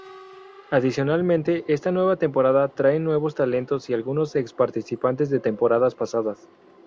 Adicionalmente, esta nueva temporada traerá nuevos talentos y algunos ex participantes de temporadas pasadas.